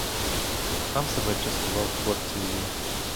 Сам себе частував порцією.